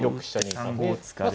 ３五歩突かれて。